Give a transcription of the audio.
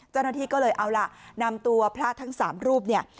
เจ้าหน้าที่ก็เลยเอาล่ะนำตัวพระทั้ง๓รูปเนี่ย